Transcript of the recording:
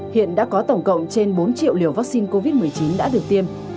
hiện đã có tổng cộng trên bốn triệu liều vắc xin covid một mươi chín đã được tiêm